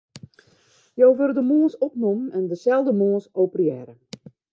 Jo wurde de moarns opnommen en deselde moarns operearre.